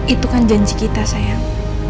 itu kan janji kita sayang